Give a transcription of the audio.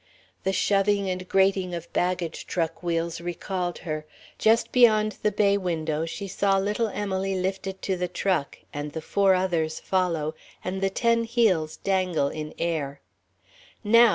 The shoving and grating of baggage truck wheels recalled her. Just beyond the bay window she saw little Emily lifted to the truck and the four others follow, and the ten heels dangle in air. "Now!"